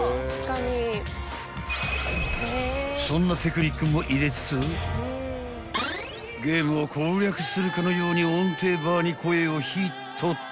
［そんなテクニックも入れつつゲームを攻略するかのように音程バーに声をヒットット］